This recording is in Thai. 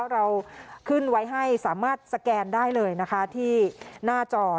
เราขึ้นไว้ให้สามารถสแกนได้เลยนะคะที่หน้าจอ